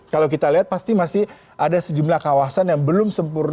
kalau kita lihat pasti masih ada sejumlah kawasan yang belum sempurna